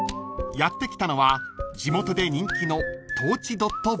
［やって来たのは地元で人気の］